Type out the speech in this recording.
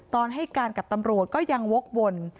ตอนให้การกับตำรวจก็ยังวกวน